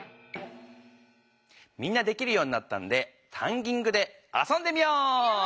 みんなできるようになったんでタンギングで遊んでみよう！